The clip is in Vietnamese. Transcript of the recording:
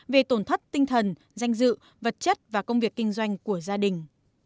về tổn thất tinh thần danh dự vật chất và công việc kinh doanh của gia đình